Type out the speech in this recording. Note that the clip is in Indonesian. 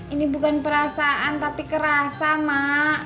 ini bukan perasaan tapi kerasa mak